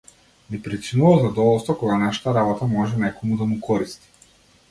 Ни причинува задоволство кога нашата работа може некому да му користи.